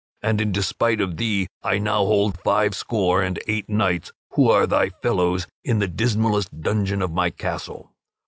And in despite of thee I now hold five score and eight knights, who are thy fellows, in the dismallest dungeon of my castle.